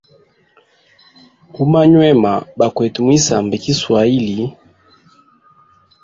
Umanywema bakwete mwisamba kiswahili.